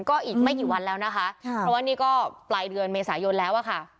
ก็อีกไม่กี่วันแล้วนะคะเพราะว่านี่ก็ปลายเดือนเมษายนแล้วอะค่ะ